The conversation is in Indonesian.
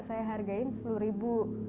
saya hargain sepuluh ribu